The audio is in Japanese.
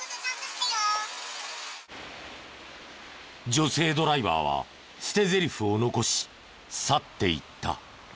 女性ドライバーは捨てゼリフを残し去っていった。